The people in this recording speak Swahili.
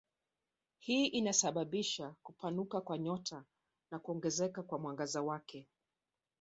Hii inasababisha kupanuka kwa nyota na kuongezeka kwa mwangaza wake.